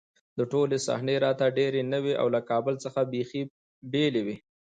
دا ټولې صحنې راته ډېرې نوې او له کابل څخه بېخي بېلې وې